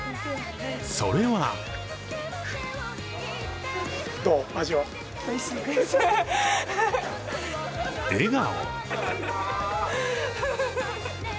それは笑顔。